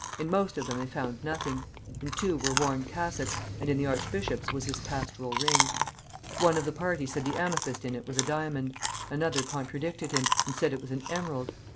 In most of them they found nothing; in two were worn cassocks, and in the archbishop's was his pastoral ring. One of the party said the amethyst in it was a diamond; another contradicted him, and said it was an emerald.